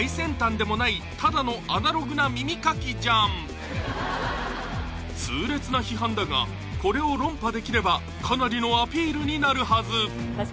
まずは痛烈な批判だがこれを論破できればかなりのアピールになるはず